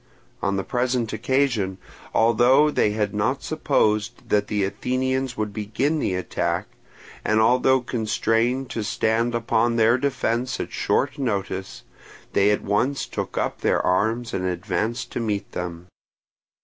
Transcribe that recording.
On the present occasion, although they had not supposed that the Athenians would begin the attack, and although constrained to stand upon their defence at short notice, they at once took up their arms and advanced to meet them.